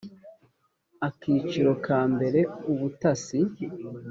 akiciro ka mbere ubutasi